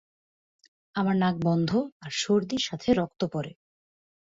আমার নাক বন্ধ আর সর্দির সাথে রক্ত পরে।